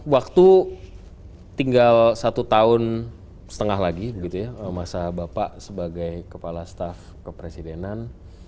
waktu tinggal satu tahun setengah lagi begitu ya masa bapak sebagai kepala staff kepresidenan